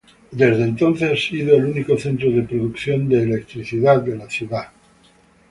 Desde entonces ha sido el único centro de producción de electricidad de la ciudad.